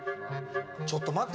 ちょっと待って。